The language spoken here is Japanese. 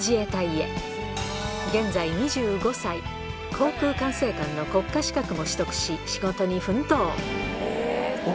航空管制官の国家資格も取得し仕事に奮闘！